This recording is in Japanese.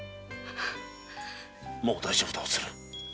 もう大丈夫だおつる。